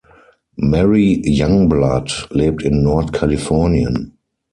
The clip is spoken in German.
Mary Youngblood lebt in Nordkalifornien.